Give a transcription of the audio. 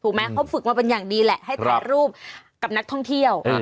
เขาฝึกมาเป็นอย่างดีแหละให้ถ่ายรูปกับนักท่องเที่ยว